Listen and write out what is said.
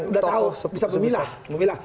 udah tahu bisa memilah